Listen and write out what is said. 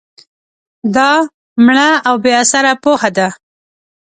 دا مړه او بې اثره پوهه ده